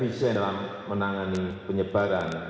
indonesia yang dalam menangani penyebaran